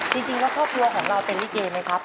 จริงแล้วครอบครัวของเราเป็นลิเกไหมครับ